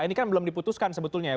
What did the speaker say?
ini kan belum diputuskan sebetulnya ya